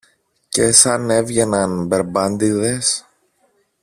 Και σαν έβγαιναν μπερμπάντηδες